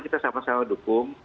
kita sama sama dukung